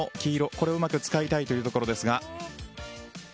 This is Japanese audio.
これをうまく使いたいところですが。